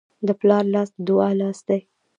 د پلار لاس د دعا لاس دی.